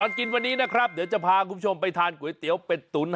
กินวันนี้นะครับเดี๋ยวจะพาคุณผู้ชมไปทานก๋วยเตี๋ยวเป็ดตุ๋น